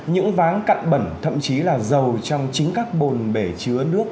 những váng cặn bẩn thậm chí là dầu trong chính các bồn bể chứa nước